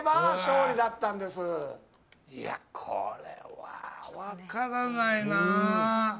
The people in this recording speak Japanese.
これは分からないな。